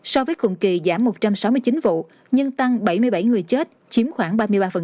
so với cùng kỳ giảm một trăm sáu mươi chín vụ nhưng tăng bảy mươi bảy người chết chiếm khoảng ba mươi ba